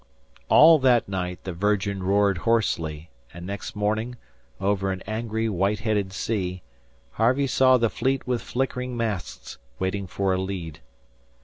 All that night the Virgin roared hoarsely; and next morning, over an angry, white headed sea, Harvey saw the Fleet with flickering masts waiting for a lead.